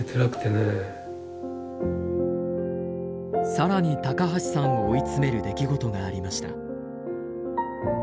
更に高橋さんを追い詰める出来事がありました。